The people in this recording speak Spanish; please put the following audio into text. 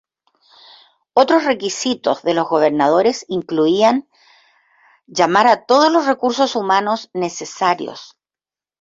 Otros requisitos de los gobernadores incluían llamar a todos los recursos humanos necesarios.